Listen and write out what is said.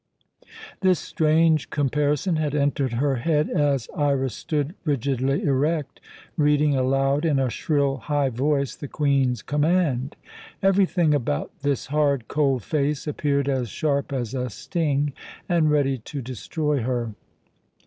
This strange comparison had entered her head as Iras stood rigidly erect, reading aloud in a shrill, high voice the Queen's command. Everything about this hard, cold face appeared as sharp as a sting, and ready to destroy her.